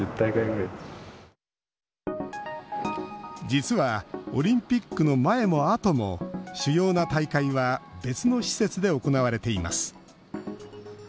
実はオリンピックの前も後も主要な大会は別の施設で行われています。